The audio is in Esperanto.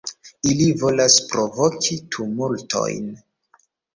Ili volas provoki tumultojn.